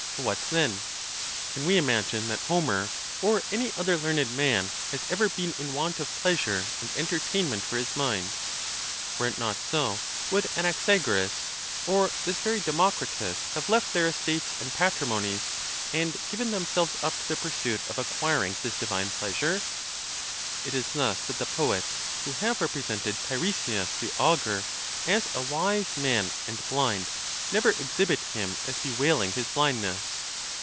What, then! can we im agine that Homer, or any other learned man, has ever been in want of pleasure and entertainment for his mind? Were it not so, would Anaxagoras, or this very Democri tus, have left their estates and patrimonies, and given them selves up to the pursuit of acquiring this divine pleasure ? It is thus that the poets who have represented Tiresias the Augur as a wise man and blind never exhibit him as be wailing his blindness.